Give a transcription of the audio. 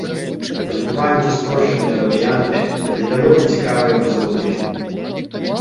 Хоць бываюць і спрошчаныя варыянты, але даволі цікавыя па задуме.